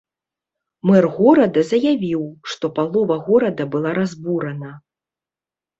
Мэр горада заявіў, што палова горада была разбурана.